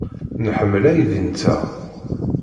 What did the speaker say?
Nḥemmel aydi-nteɣ.